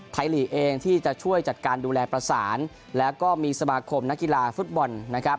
หลีกเองที่จะช่วยจัดการดูแลประสานแล้วก็มีสมาคมนักกีฬาฟุตบอลนะครับ